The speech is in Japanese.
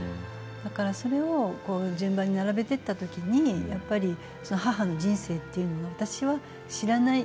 それを順番に並べていった時にやっぱり母の人生というのを私は知らない。